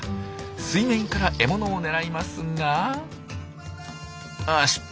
水面から獲物を狙いますがああ失敗。